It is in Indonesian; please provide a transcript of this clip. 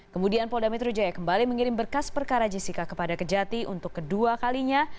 kemudian polda metro jaya kembali mengirim berkas perkara jessica kepada kejati untuk kedua kalinya